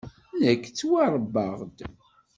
Nekk ttwaṛebbaɣ-d.